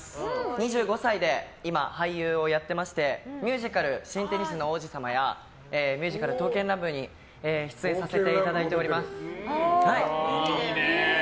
２５歳で、今俳優をやってましてミュージカル「新テニスの王子様」やミュージカル「刀剣乱舞」に出演させていただいております。